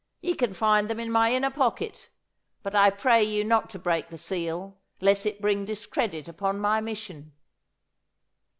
Ye can find them in my inner pocket, but I pray ye not to break the seal, lest it bring discredit upon my mission.